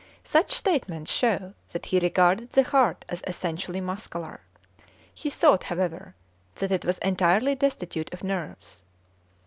Such statements show that he regarded the heart as essentially muscular. He thought, however, that it was entirely destitute of nerves.